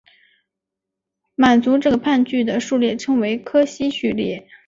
满足这个判据的数列称为柯西序列。